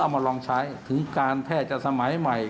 เรามาลองใช้ถึงการแพทย์สำหมายใหม่